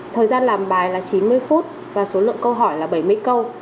thời gian làm bài là chín mươi phút và số lượng câu hỏi là bảy mươi câu